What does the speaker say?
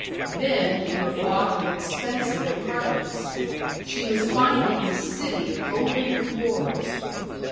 Then came a block of expensive apartments. She was finding the city of golden rewards.